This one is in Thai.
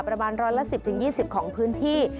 ประมาณร้อยละ๑๐๒๐ของพื้นที่